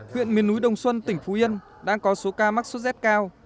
huyện miền núi đồng xuân tỉnh phú yên đang có số ca mắc sốt z cao